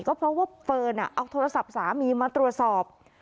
ก็เพราะว่าเฟิร์นเอาโทรศัพท์สามีมาตรวจสอบ